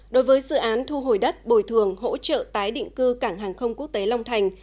đối với dự án thu hồi đất bồi thường hỗ trợ tái định cư cảng hàng không quốc tế long thành